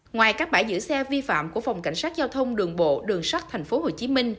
ngoài các bãi giữ xe vi phạm của phòng cảnh sát giao thông đường bộ đường sắt tp hcm